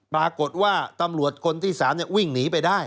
ปรากฏว่าตำรวจคนที่๓วิ่งหนีไปได้